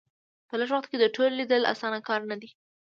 په لږ وخت کې د ټولو لیدل اسانه کار نه دی.